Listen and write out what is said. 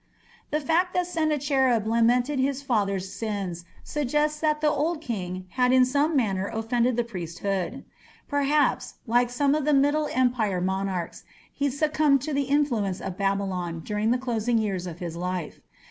The fact that Sennacherib lamented his father's sins suggests that the old king had in some manner offended the priesthood. Perhaps, like some of the Middle Empire monarchs, he succumbed to the influence of Babylon during the closing years of his life.